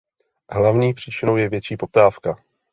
Hlavní příčinou je větší poptávka.